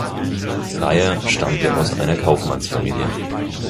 Reyher stammte aus einer Kaufmannsfamilie.